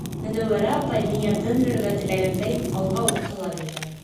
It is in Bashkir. Менәүәрә апай миңә тын өрөргә теләгәндәй, алға уҡтала биргән.